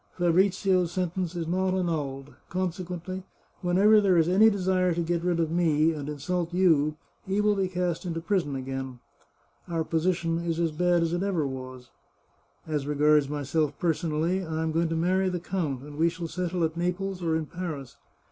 Fabrizio's sentence is not annulled. Consequently, whenever there is any desire to get rid of me, and insult you, he will be cast into prison again. Our posi tion is as bad as ever it was. As regards myself personally, I am going to marry the count, and we shall settle at Naples or in Paris.